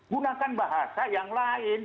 gunakan bahasa yang lain